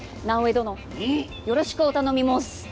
どの、よろしくお頼み申す。